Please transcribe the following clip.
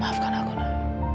maafkan aku nek